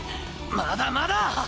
まだまだ！